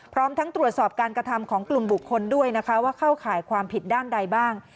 พร้อมทั้งตรวจสอบการกระทำของกลุ่มบุคคลด้วยนะคะว่าเข้าข่ายความผิดด้านใดบ้าง